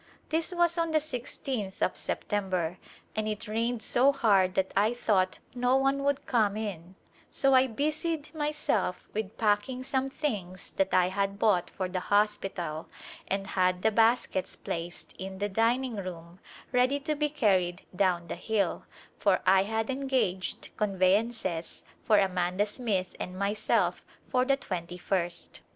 This was on the i6th of September and it rained so hard that I thought no one would come in so I busied myself with packing some things that I had bought for the hospital and had the baskets placed in the dining room ready to be carried down the hill, for I had engaged conveyances for Amanda Smith and myself for the twenty first.